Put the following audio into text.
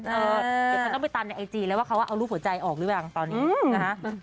เดี๋ยวฉันต้องไปตามในไอจีแล้วว่าเขาเอารูปหัวใจออกหรือเปล่าตอนนี้นะฮะ